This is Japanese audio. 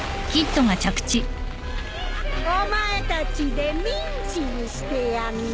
お前たちでミンチにしてやんな。